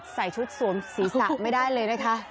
ใส่ชุดสวมศีรษะไม่ได้เลยนะคะ